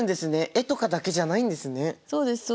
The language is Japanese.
絵とかだけじゃないんですね。